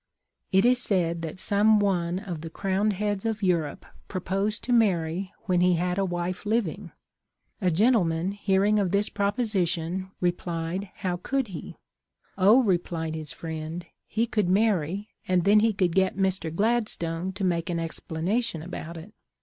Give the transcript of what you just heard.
It is said that some one of the crowned heads of Europe proposed to marry when he had a wife living. A gentleman, hearing of this proposition, replied, how could He ?' Oh,' replied his friend, ' he could marry and then he could get Mr. Gladstone to make an explanation about it.'